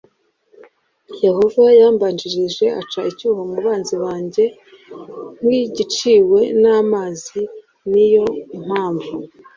Yehova yambanjirije aca icyuho mu banzi banjye g nk igiciwe n amazi ni yo mpamvu